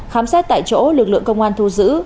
khám xét tại chỗ lực lượng công an thu giữ